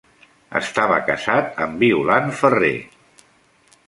Estava casat amb Violant Ferrer.